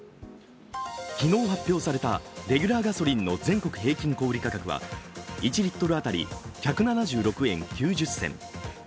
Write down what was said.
昨日発表されたレギュラーガソリンの全国平均小売価格は、１リットル当たり１７６円９０銭。